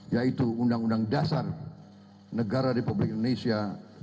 yaitu undang undang dasar negara republik indonesia seribu sembilan ratus empat puluh lima